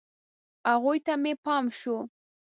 هغوی ته مې پام شو.